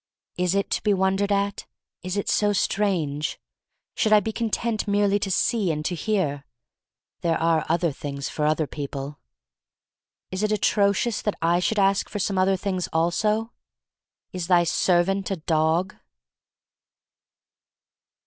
Is it to be won dered at? Is it so strange? Should I be content merely to see and to hear? There are other things for other people. Is it atrocious that I should ask for some other things also? Is thy servant a dog?